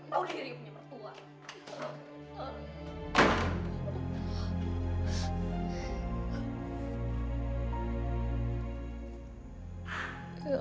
tau diri punya mertua